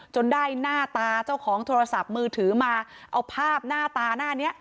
ได้หน้าตาเจ้าของโทรศัพท์มือถือมาเอาภาพหน้าตาหน้านี้